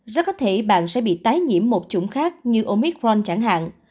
rất có thể bạn sẽ bị tái nhiễm một chủng khác như omicron chẳng hạn